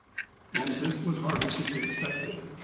And this was hardly to be expected.